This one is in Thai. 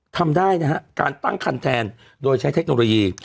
ทำได้นะฮะการตั้งคันแทนโดยใช้เทคโนโลยี